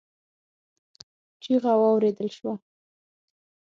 چيغه واورېدل شوه.